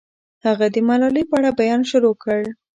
هغه د ملالۍ په اړه بیان شروع کړ.